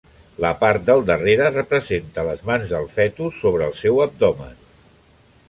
La part del darrere representa les mans del fetus sobre el seu abdomen.